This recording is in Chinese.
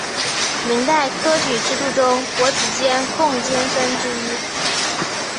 明代科举制度中国子监贡监生之一。